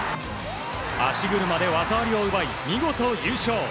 足車で技ありを狙い見事優勝。